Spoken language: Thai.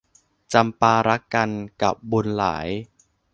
จำปารักกันกับบุญหลาย